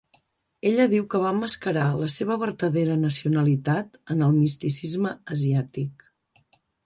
Ella diu que va emmascarar la seva vertadera nacionalitat en el misticisme asiàtic.